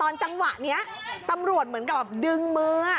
ตอนจังหวะเนี้ยตำรวจเหมือนกับแบบดึงมือ